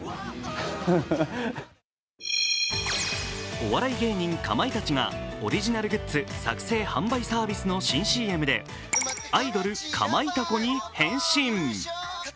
お笑い芸人・かまいたちがオリジナルグッズ作成・販売サービスの新ＣＭでアイドル、かまいた子に変身。